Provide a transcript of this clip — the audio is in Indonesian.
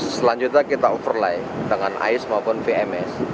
selanjutnya kita overly dengan ais maupun vms